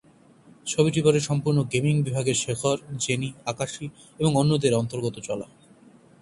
ছবিটি পরে সম্পূর্ণ গেমিং বিভাগের শেখর, জেনি, আকাশী এবং অন্যদের অন্তর্গত চলা।